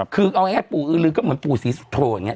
คือเอาแอดปู่อือลือก็เหมือนปู่สีสุโผล่อย่างเงี้ย